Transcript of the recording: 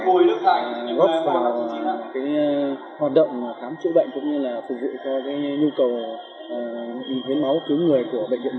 góp vào hoạt động khám chữa bệnh cũng như phục vụ nhu cầu hiến máu cứu người của bệnh viện một trăm chín mươi tám